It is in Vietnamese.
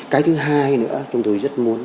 cái thứ hai nữa chúng tôi rất muốn